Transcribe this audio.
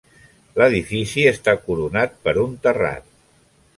L'edifici està coronat per un terrat.